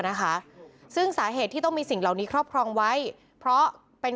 นะคะซึ่งสาเหตุที่ต้องมีสิ่งเหล่านี้ครอบครองไว้เพราะเป็น